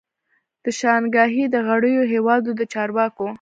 د شانګهای د غړیو هیوادو د چارواکو